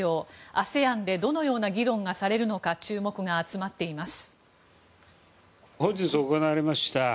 ＡＳＥＡＮでどのような議論がされるのか注目が集まっています。